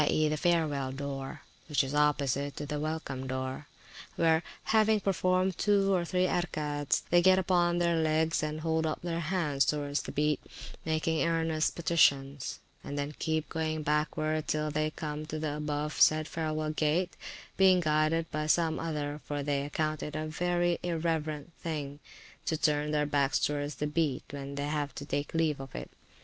e., the Farewell Door, which is opposite to the welcome door; where, having performed two or three Erkaets, they get upon their legs and hold up their hands towards the Beat, making earnest petitions; and then keep going backward till they come to the above said farewell gate, being guided by some other, for they account it a very irreverent thing to turn their backs towards the Beat when they take leave of it.